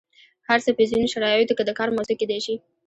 هر څه په ځینو شرایطو کې د کار موضوع کیدای شي.